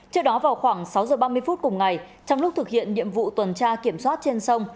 trước đó vào khoảng sáu giờ ba mươi phút cùng ngày trong lúc thực hiện nhiệm vụ tuần tra kiểm soát trên sông